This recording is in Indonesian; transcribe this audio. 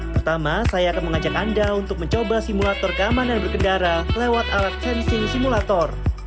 pertama saya akan mengajak anda untuk mencoba simulator keamanan berkendara lewat alat sensing simulator